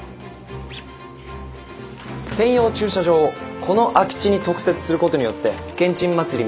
専用駐車場をこの空き地に特設することによってけんちん祭り